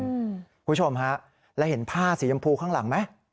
คุณผู้ชมฮะแล้วเห็นผ้าสียำพูข้างหลังไหม